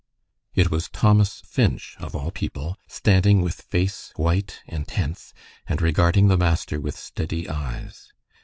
It was Thomas Finch, of all people, standing with face white and tense, and regarding the master with steady eyes.